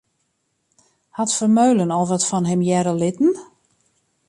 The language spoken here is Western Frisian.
Hat Vermeulen al wat fan him hearre litten?